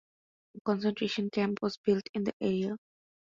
A concentration camp was also built in the area.